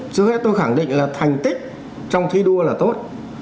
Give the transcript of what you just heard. trước hết tôi khẳng định là thành tích trong thi đua là tốt